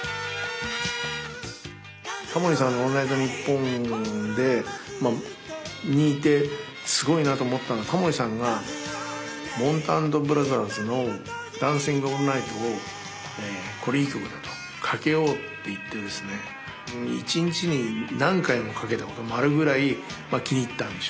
タモリさんの「オールナイトニッポン」でにいてすごいなと思ったのはタモリさんがもんた＆ブラザーズの「ダンシング・オールナイト」をこれいい曲だとかけようって言ってですね一日に何回もかけたこともあるぐらい気に入ったんでしょうね。